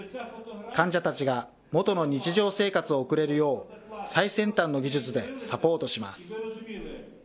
患者たちが元の日常生活を送れるよう、最先端の技術でサポートします。